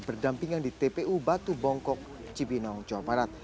berdampingan di tpu batu bongkok cibinong jawa barat